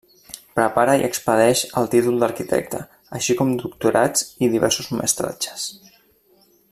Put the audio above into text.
Prepara i expedeix el títol d'Arquitecte, així com doctorats i diversos mestratges.